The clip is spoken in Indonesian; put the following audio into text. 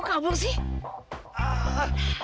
kok kabur sih